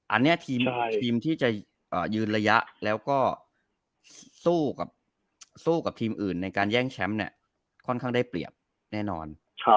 อันนี้ทีมที่จะยืนระยะแล้วก็สู้กับสู้กับทีมอื่นในการแย่งแชมป์เนี่ยค่อนข้างได้เปรียบแน่นอน